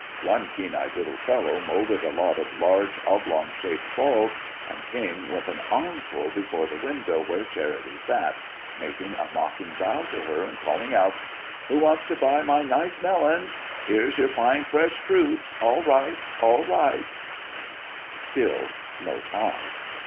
One keen eyed little fellow moulded a lot of large oblong shaped balls, and came with an armful before the window where Charity sat, making a mocking bow to her, and calling out: "Who wants to buy my nice melons! Here's your fine fresh fruit; all ripe; all ripe!" Still no Tom.